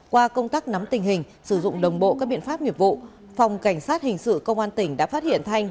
qua công tác nắm tình hình sử dụng đồng bộ các biện pháp nghiệp vụ phòng cảnh sát hình sự công an tỉnh đã phát hiện thanh